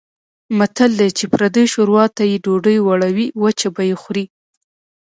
متل دی: چې پردۍ شوروا ته یې ډوډۍ وړوې وچه به یې خورې.